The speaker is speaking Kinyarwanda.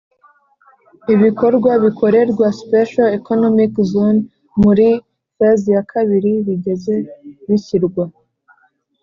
Ibikorwa bikorerwa special economic zone muri phase ya kabiri bigeze bishyirwa